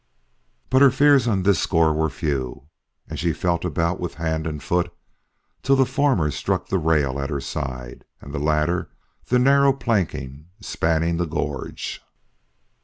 But her fears on this score were few, and she felt about with hand and foot till the former struck the rail at her side, and the latter the narrow planking spanning the gorge.